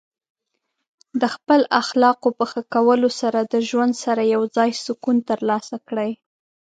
د خپل اخلاقو په ښه کولو سره د ژوند سره یوځای سکون ترلاسه کړئ.